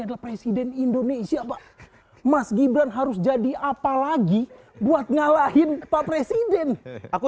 adalah presiden indonesia pak mas gibran harus jadi apa lagi buat ngalahin pak presiden aku